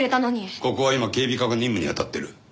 ここは今警備課が任務に当たっている。